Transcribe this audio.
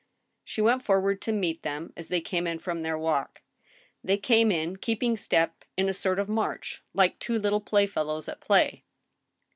She went forward to meet them as they came in from their walk. They came in, keeping step in a sort of march, like two little playfellows at play.